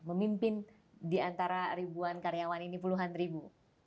memimpin diantara ribuan karyawan ini puluhan ribu